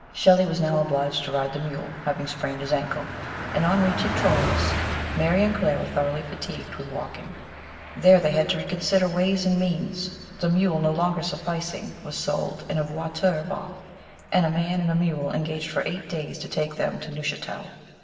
Shelley was now obliged to ride the mule, having sprained his ankle, and on reaching Troyes Mary and Claire were thoroughly fatigued with walking. There they had to reconsider ways and means ; the mule, no longer sufficing, was sold and a voiture bought, and a man and a mule engaged for eight days to take them to Neuchatel.